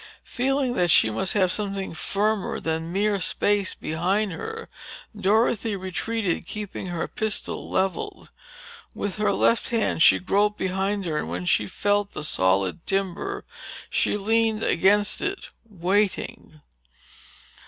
Feeling that she must have something firmer than mere space behind her, Dorothy retreated, keeping her pistol leveled. With her left hand she groped behind her and when she felt the solid timber, she leaned back against it, waiting.